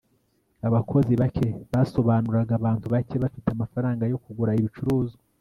abakozi bake basobanuraga abantu bake bafite amafaranga yo kugura ibicuruzwa